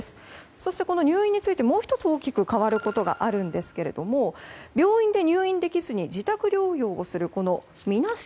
そして、入院についてもう１つ大きく変わることがありまして病院で入院できず自宅療養するみなし